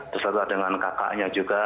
bersama dengan kakaknya juga